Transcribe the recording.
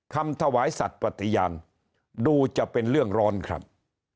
คำถวายสัตว์ปฏิญาณดูจะเป็นเรื่องร้อนครับ